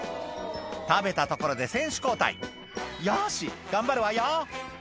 食べたところで選手交代「よし頑張るわよ」